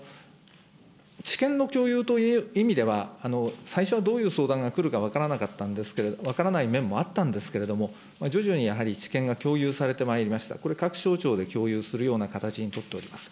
知見の共有という意味では、最初はどういう相談が来るか分からなかったんですけれども、分からない面もあったんですけれども、徐々にやはり知見が共有されてまいりました、これ、各省庁で共有するような形に取っております。